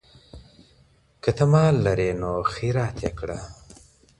که ته مال لرې نو خیرات یې کړه.